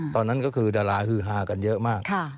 ตอนนั้นก็คือดาราฮือฮากันเยอะมาก